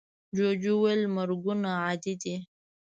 جوجو وویل مرگونه عادي دي.